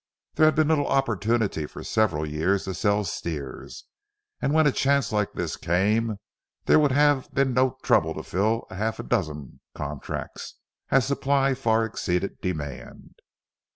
There had been little opportunity for several years to sell steers, and when a chance like this came, there would have been no trouble to fill half a dozen contracts, as supply far exceeded demand.